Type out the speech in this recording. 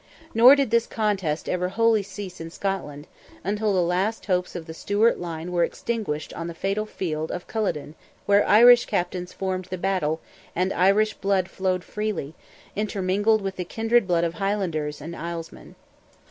Nor did this contest ever wholly cease in Scotland, until the last hopes of the Stuart line were extinguished on the fatal field of Culloden, where Irish captains formed the battle, and Irish blood flowed freely, intermingled with the kindred blood of Highlanders and Islesmen.